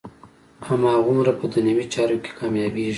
هماغومره په دنیوي چارو کې کامیابېږي.